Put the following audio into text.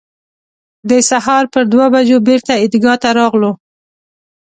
د سهار پر دوه بجو بېرته عیدګاه ته راغلو.